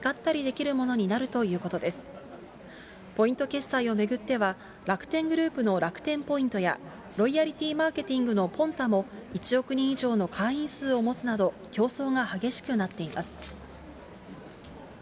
決済を巡っては、楽天グループの楽天ポイントや、ロイヤリティーマーケティングのポンタも、１億人以上の会員数を持つなど、競争が激しくなっています。